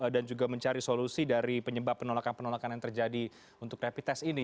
dan juga mencari solusi dari penyebab penolakan penolakan yang terjadi untuk rapid test ini